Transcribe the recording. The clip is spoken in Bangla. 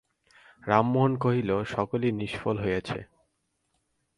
রামমোহন কহিল, সকলই নিষ্ফল হইয়াছে।